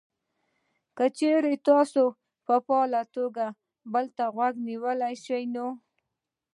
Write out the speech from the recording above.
که چېرې تاسې په فعاله توګه بل ته غوږ شئ نو: